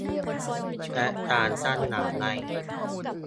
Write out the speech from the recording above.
แตกต่างกันอย่างไร